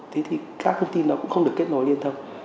thế thì các thông tin đó cũng không được kết nối liên thông